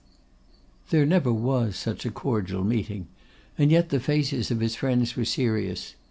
There never was such a cordial meeting; and yet the faces of his friends were serious.